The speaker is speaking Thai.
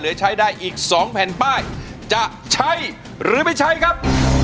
เหลือใช้ได้อีกสองแผ่นป้ายจะใช่หรือไม่ใช่ครับ